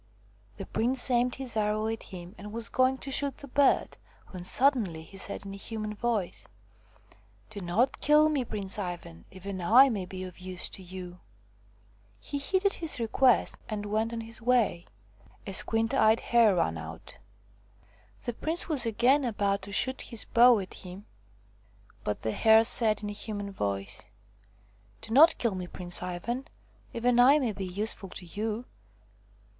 The prince aimed his arrow at him and was going to shoot the bird, when suddenly he said in a human voice :" Do not kill me, Prince Ivan ! Even I may be of use to you." He heeded his request and went on his way. A squint eyed hare ran out. The prince was again about to shoot his bow at him, but the Hare said in a human voice :" Do not kill me, Prince Ivan. Even I may be useful to you."